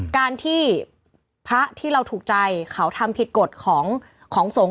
การที่พระที่เราถูกใจเขาทำผิดกฎของสงฆ์